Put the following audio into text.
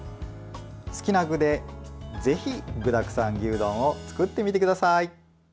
好きな具で、ぜひ具だくさん牛丼を作ってみてください。